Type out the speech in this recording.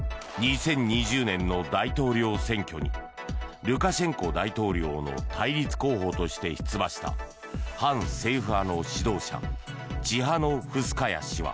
２０２０年の大統領選挙にルカシェンコ大統領の対立候補として出馬した反政府派の指導者チハノフスカヤ氏は。